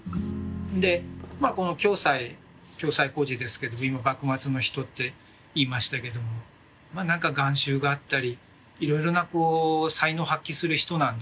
でまあこの暁斎暁斎居士ですけど今幕末の人って言いましたけどもまあ何か含羞があったりいろいろな才能を発揮する人なんですね。